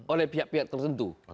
oleh pihak pihak tertentu